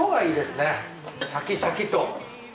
シャキシャキと。